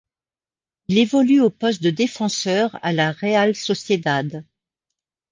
Il évolue au poste de défenseur à la Real Sociedad.